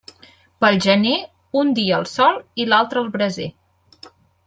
Pel gener, un dia al sol i l'altre al braser.